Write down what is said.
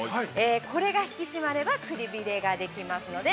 これが引き締まれば、くびれができますので。